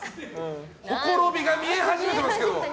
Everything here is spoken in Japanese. ほころびが見え始めていますけど。